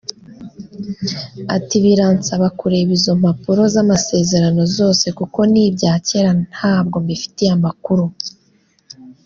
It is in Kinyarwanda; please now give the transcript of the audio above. Ati “Biransaba kureba izo mpapuro z’amasezerano zose kuko ni ibya kera ntabwo mbifitiye amakuru